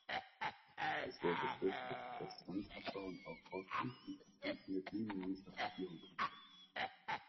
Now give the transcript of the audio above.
Es wurde befürchtet, dass Sandabbau und Aufforstung zum Verschwinden der Dünenlandschaft führen könnte.